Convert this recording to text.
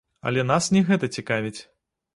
Але нас не гэта цікавіць.